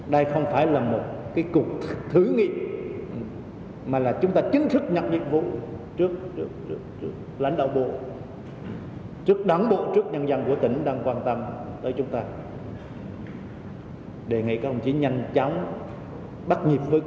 đây không phải là một cuộc thử nghiệm mà là chúng ta chính thức nhập nhiệm vụ trước lãnh đạo bộ